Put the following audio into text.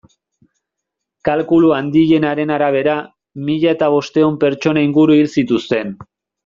Kalkulu handienaren arabera, mila eta bostehun pertsona inguru hil zituzten.